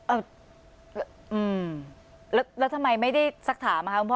เอ่ออือแล้วแล้วทำไมไม่ได้สักถามค่ะคุณพ่อ